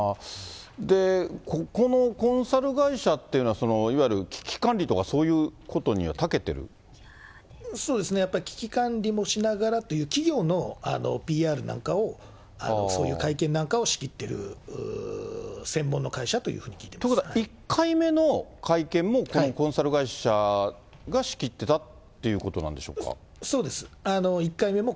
ここのコンサル会社っていうのは、いわゆる危機管理とか、そうですね、やっぱり危機管理もしながらという、企業のＰＲなんかを、そういう会見なんかを仕切ってる専門の会社というふうに聞いていということは、１回目の会見もこのコンサル会社が仕切ってたっていうことなんでそうです。